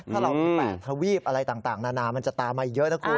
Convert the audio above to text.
ถ้าเราเปลี่ยนแปดถ้าวีบอะไรต่างนานามันจะตามมาเยอะนะครับ